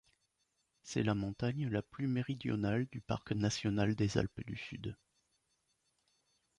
C'est la montagne la plus méridionale du parc national des Alpes du Sud.